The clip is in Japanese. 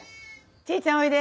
チーちゃんおいで。